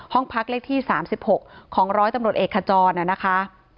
ห้องพักเลขที่๓๖ของร้อยตำรวจเอกขจรนะคะ